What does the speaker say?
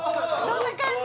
どんな感じ！？